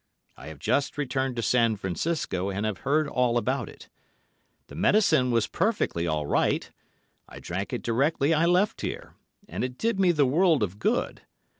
I have just returned to San Francisco, and have heard all about it. The medicine was perfectly all right. I drank it directly I left here, and it did me the world of good.